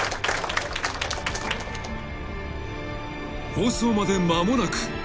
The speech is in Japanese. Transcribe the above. ［放送まで間もなく］